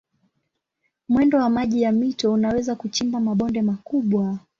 Mwendo wa maji ya mito unaweza kuchimba mabonde makubwa.